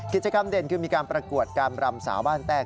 กิจกรรมเด่นคือมีการประกวดการรำสาวบ้านแต้